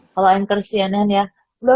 kalau anchor cnn ya